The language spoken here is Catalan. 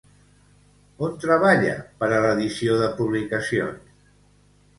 On treballa per a l'edició de publicacions?